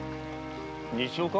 西岡？